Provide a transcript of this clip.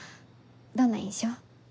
どんな印象？